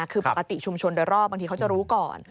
คือปกติชุมชนโดยรอบบางทีเขาจะรู้ก่อน